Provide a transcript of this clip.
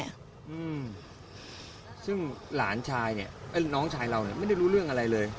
อืมซึ่งหลานชายเนี้ยไอ้น้องชายเราเนี้ยไม่ได้รู้เรื่องอะไรเลย